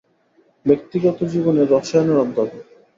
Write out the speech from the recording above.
ব্যক্তিগত জীবনে রসায়নের অধ্যাপক।